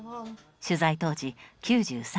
取材当時９３歳。